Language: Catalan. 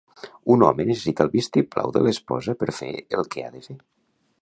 Un home necessita el vistiplau de l'esposa per fer el que ha de fer.